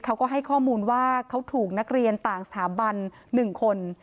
เขาก็ให้ข้อมูลว่าเขาถูกนักเรียนต่างสถาบัน๑คน